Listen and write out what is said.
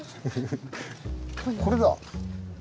これだ。